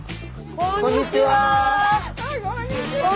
こんにちは！